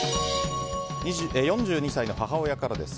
４２歳の母親からです。